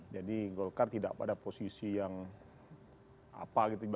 jadi golkar tidak pada posisi yang apa gitu